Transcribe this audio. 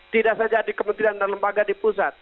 tidak saja di kementerian dan lembaga di pusat